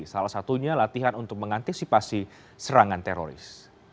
salah satunya latihan untuk mengantisipasi serangan teroris